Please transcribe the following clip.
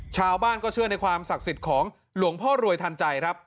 ชาวบ้านก็เชื่อในความศักดิ์สิทธิ์ของหลวงพ่อรวยทันใจครับ